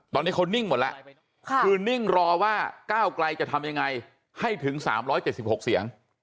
ตอนนี้เขานิ่งหมดแล้วคือนิ่งรอว่าก้าวไกลจะทำยังไงให้ถึง๓๗๖เสียง